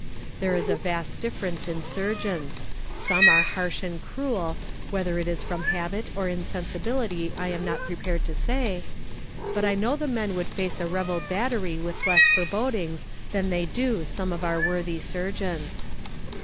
There is a vast difference in surgeons; some are harsh and cruel whether it is from habit or insensibility I am not prepared to say but I know the men would face a rebel battery with less forebodings than they do some of our worthy surgeons.